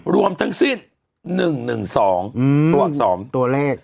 รวมทั้งสิบหนึ่งหนึ่งสองอืมตัวอักษรตัวเลข